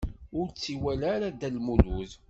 Ur tt-iwala ara Dda Lmulud.